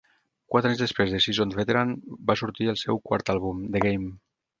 Quatre anys després de "Seasoned Veteran", va sortir el seu quart àlbum, "The Game".